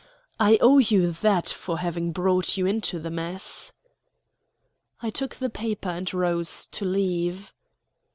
I owe you that for having brought you into the mess." I took the paper and rose to leave.